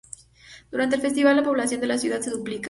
Durante el festival la población de la ciudad se duplica.